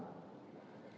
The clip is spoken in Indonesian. dan bukan kita aja